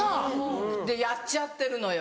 でやっちゃってるのよ。